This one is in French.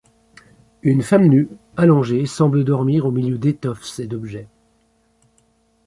Une femme nue, allongée, semble dormir, au milieu d'étoffes et d'objets.